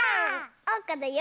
おうかだよ！